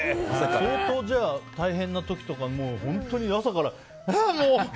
相当大変な時とかも本当に朝から、ああ、もう！